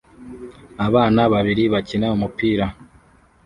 Abana babiri bakina umupira